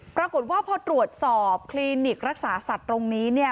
ปรากฏว่าพอตรวจสอบคลินิกรักษาสัตว์ตรงนี้เนี่ย